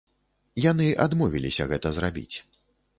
Яны адмовіліся гэта зрабіць.